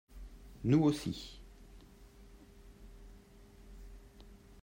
Nous aussi